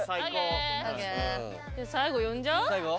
最後呼んじゃう？最後？